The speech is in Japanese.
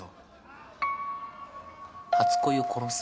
初恋を殺す？